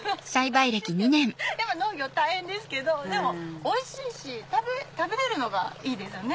農業大変ですけどでもおいしいし食べれるのがいいですよね